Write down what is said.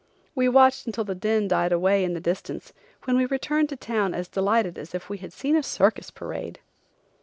We watched until the din died away in the distance when we returned to town as delighted as if we had seen a circus parade.